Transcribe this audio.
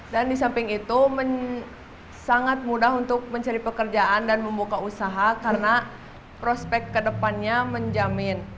dan di samping itu sangat mudah untuk mencari pekerjaan dan membuka usaha karena prospek kedepannya menjamin